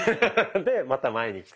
でまた前にきて。